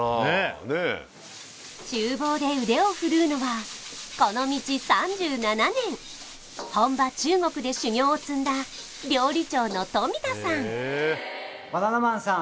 厨房で腕を振るうのはこの道３７年本場中国で修業を積んだ料理長の冨田さん